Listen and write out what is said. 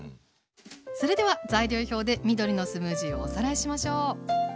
それでは材料表で緑のスムージーをおさらいしましょう。